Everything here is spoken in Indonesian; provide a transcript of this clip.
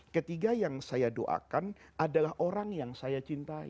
ketiga yang saya doakan adalah orang yang saya cintai